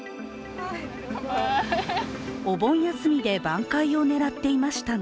お盆休みで挽回を狙っていましたが